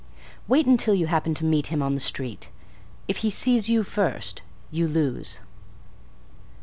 Wait until you happen to meet him on the street. If he sees you first, you lose.